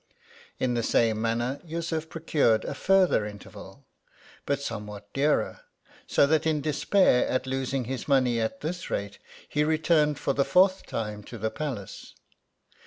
In the same manner, Yussuf procured a further interval, but somewhat denrer ; so that in despair at losing his money at this rate, he returned for the fourth time to the palace.